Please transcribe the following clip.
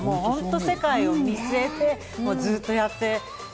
世界を見据えて、ずっとやって。